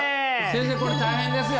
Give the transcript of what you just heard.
先生これ大変ですよ。